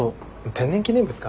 天然記念物か？